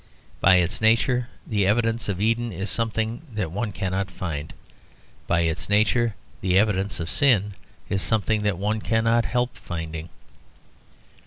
By its nature the evidence of Eden is something that one cannot find. By its nature the evidence of sin is something that one cannot help finding.